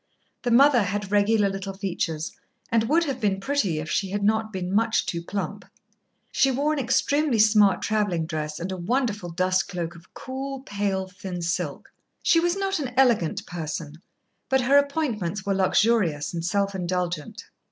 The mother had regular little features, and would have been pretty if she had not been much too plump. She wore an extremely smart travelling dress and a wonderful dust cloak of cool, pale, thin silk. She was not an elegant person, but her appointments were luxurious and self indulgent.